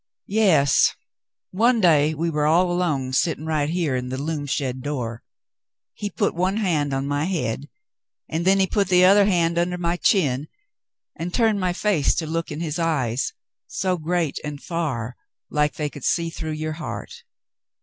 "Yes. One day we were all alone sitting right here in the loom shed door. He put one hand on my head, and then he put the other hand under my chin and turned my face to look in his eyes — so great and far — like they could see through your heart.